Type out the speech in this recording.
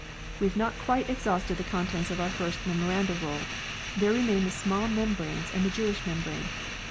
We have not quite exhausted the contents of our first Memoranda Roll : there remain the small membranes and the Jewish membrane.